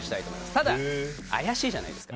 ただ、怪しいじゃないですか。